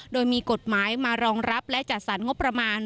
โดยมีกฎหมายมารองรับและจัดสรรงบประมาณ